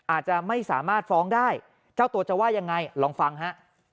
อาจจะไม่สามารถฟ้องได้เจ้าตัวจะว่ายังไงลองฟังฮะ